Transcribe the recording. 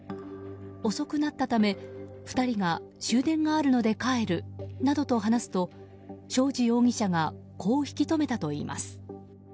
遅くなったため、２人が終電があるので帰るなどと話すと正地容疑者がこう引き止めたといいます。